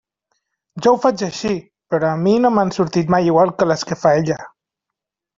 Ja ho faig així, però a mi no m'han sortit mai igual que les que fa ella.